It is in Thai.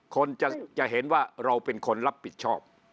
คนจะเห็นว่าเราเป็นคนรับผิดชอบ